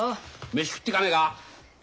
飯食ってかねえか？